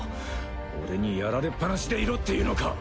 俺にやられっぱなしでいろっていうのか。